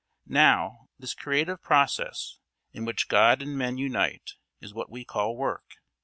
Now, this creative process, in which God and men unite, is what we call work.